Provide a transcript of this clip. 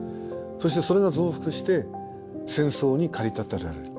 そしてそれが増幅して戦争に駆り立てられる。